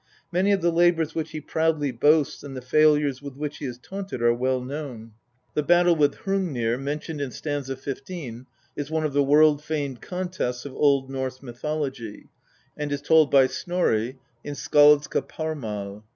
Many of the labours which he proudly boasts and the failures with which he is taunted are well known. The battle with Hrungnir, mentioned in st. 15, is one of the world famed contests of Old Norse mythology, and is told by Snorri in Skaldskaparmal.